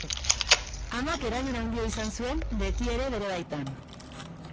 Amak eragin handia izan zuen betiere bere baitan.